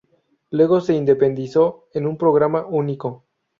Luego se independizó en un programa único.